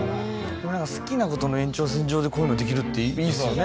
でも好きなことの延長線上でこういうのできるっていいですよね